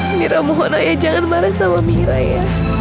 amira mohon ayah jangan marah sama amira ya